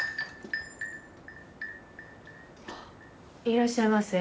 いらっしゃいませ。